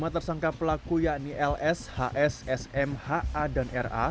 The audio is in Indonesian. lima tersangka pelaku yakni ls hs sm ha dan ra